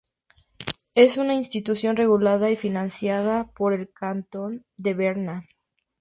Es una institución regulada y financiada por el cantón de Berna.